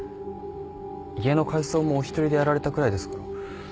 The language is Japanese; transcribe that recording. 家の改装もお一人でやられたくらいですから。